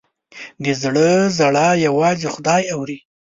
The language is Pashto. د زړه ژړا یوازې خدای اوري.